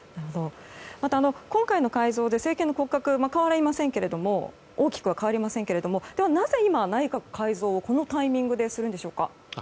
また、今回の改造で政権の骨格は大きくは変わりませんけどもなぜ今、内閣改造をこのタイミングでするんでしょうか。